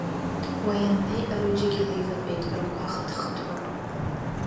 Уа ианнеи, рыҩџьагьы леиватәеит рыгәқәа хыҭ-хыҭуа.